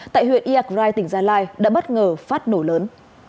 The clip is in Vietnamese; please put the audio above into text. tại huyện iagrai tỉnh gia lai đã bất ngờ phát nổ lớn